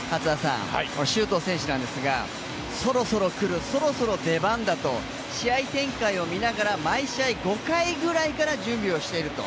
周東選手なんですが、そろそろ来る、そろそろ出番だと試合展開を見ながら毎試合５回ぐらいから準備をしていると。